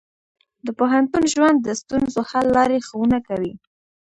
د پوهنتون ژوند د ستونزو حل لارې ښوونه کوي.